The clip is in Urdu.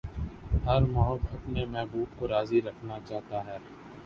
ہر محب اپنے محبوب کو راضی رکھنا چاہتا ہے۔